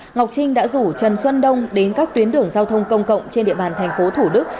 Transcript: ngọc trinh đã rủ trần xuân đông đến các tuyến đường giao thông công cộng trên địa bàn thành phố thủ đức